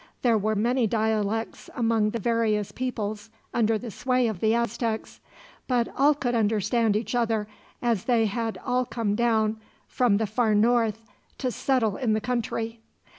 There were many dialects among the various peoples under the sway of the Aztecs; but all could understand each other, as they had all come down, from the far north, to settle in the country.